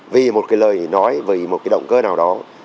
vì một cái lời nói về một cái động cơ nào đó